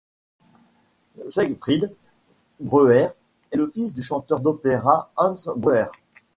Siegfried Breuer est le fils du chanteur d'opéra Hans Breuer.